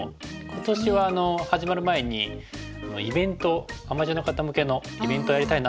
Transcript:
今年は始まる前にイベントアマチュアの方向けのイベントをやりたいなっていうふうに思ってて。